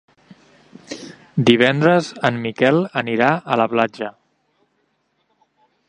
Divendres en Miquel anirà a la platja.